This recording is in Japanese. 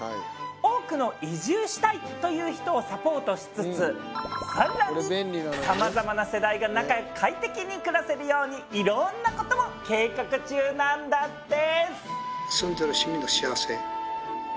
多くの移住したいという人をサポートしつつ更にさまざまな世代が仲よく快適に暮らせるようにいろんな事を計画中なんだって。